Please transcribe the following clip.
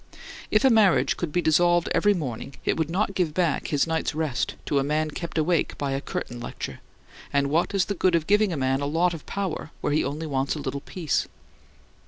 If a marriage could be dissolved every morning it would not give back his night's rest to a man kept awake by a curtain lecture; and what is the good of giving a man a lot of power where he only wants a little peace?